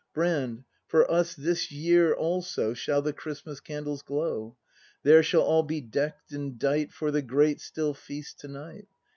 Brand, for us this year also Shall the Christmas candles glow. Here shall all be deck'd and dight For the great, still Feast to night!